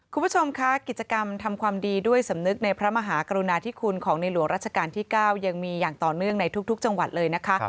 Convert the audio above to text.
คุณผู้ชมคะกิจกรรมทำความดีด้วยสำนึกในพระมหากรุณาธิคุณของในหลวงราชการที่๙ยังมีอย่างต่อเนื่องในทุกจังหวัดเลยนะคะ